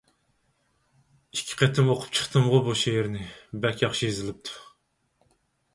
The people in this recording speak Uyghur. ئىككى قېتىم ئوقۇپ چىقتىمغۇ بۇ شېئىرنى، بەك ياخشى يېزىلىپتۇ.